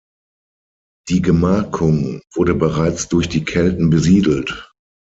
Die Gemarkung wurde bereits durch die Kelten besiedelt.